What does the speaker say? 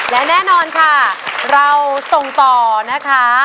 และแน่นอนค่ะเราส่งต่อนะคะ